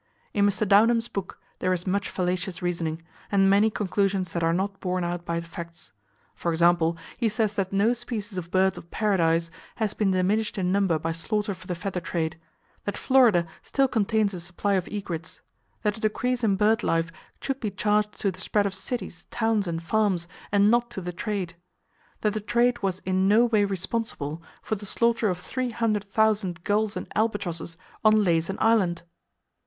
In Mr. Downham's book there is much fallacious reasoning, and many conclusions that are not borne out by the facts. For example, he says that no species of bird of paradise has been diminished in number by slaughter for the feather trade; that Florida still contains a supply of egrets; that the decrease in bird life should be charged to the spread of cities, towns and farms, and not to the trade; that the trade was "in no way responsible" for the slaughter of three hundred thousand gulls and albatrosses on Laysan Island!